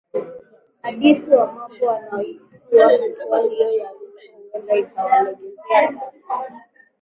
adisi wa mambo wanahojikuwa hatua hiyo ya ruto huenda ikawalegezea kamba